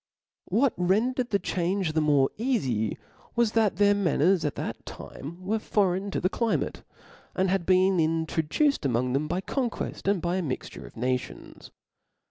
What rendered the change the more eafy was, that their manners at that time were foreign to the climate ; and had been introduced amongft them by conqucft, and by a mixture of pations.